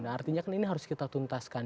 nah artinya kan ini harus kita tuntaskan